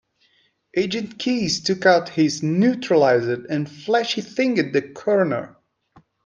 Agent Keys took out his neuralizer and flashy-thinged the coroner.